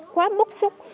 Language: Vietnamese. quá bốc xúc